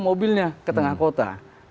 mobilnya ke tengah kota